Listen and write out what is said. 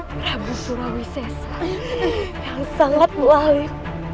prabu surawi sesa yang sangat melalui